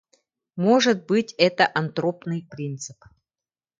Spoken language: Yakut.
Может быть, это антропный принцип.